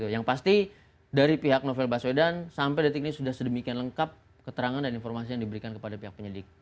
yang pasti dari pihak novel baswedan sampai detik ini sudah sedemikian lengkap keterangan dan informasi yang diberikan kepada pihak penyidik